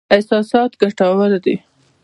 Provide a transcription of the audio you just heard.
احساسات ګټور دي.